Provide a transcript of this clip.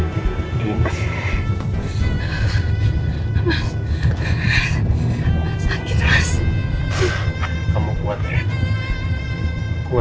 jangan lupa subscribe chanel ini untuk dapat infonya